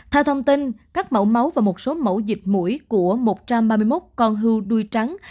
theo thông tin các mẫu máu và một số mẫu dịch mũi của một trăm ba mươi một con hư đuôi trắng